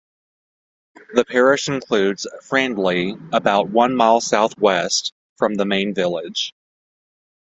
The parish includes Frandley about one mile south west from the main village.